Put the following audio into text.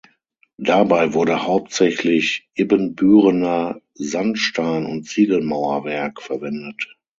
Dabei wurde hauptsächlich Ibbenbürener Sandstein und Ziegelmauerwerk verwendet.